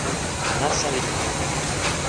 nasa li pona.